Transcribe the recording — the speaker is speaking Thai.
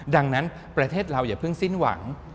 ดังนั้นประเทศเราอย่าเพิ่งสิ้นหวัง